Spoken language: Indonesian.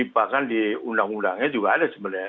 bahkan di undang undangnya juga ada sebenarnya